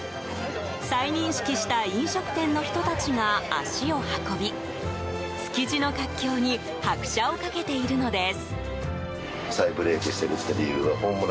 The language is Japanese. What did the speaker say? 再認識した飲食店の人たちが足を運び築地の活況に拍車をかけているのです。